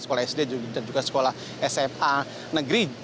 sekolah sd dan juga sekolah sma negeri